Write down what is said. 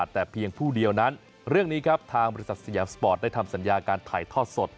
แต่เพียงผู้เดียวนั้นเรื่องนี้ครับทางบริษัทสยามสปอร์ตได้ทำสัญญาการถ่ายทอดสด